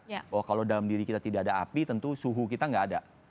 bahwa kalau dalam diri kita tidak ada api tentu suhu kita tidak ada